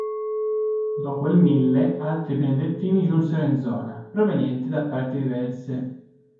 Dopo il Mille, altri benedettini giunsero in zona, provenienti da parti diverse.